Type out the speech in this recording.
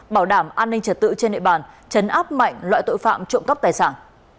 bảo đảm an ninh trật tự trên địa bàn chấn áp mạnh loại tội phạm trộm cắp tài sản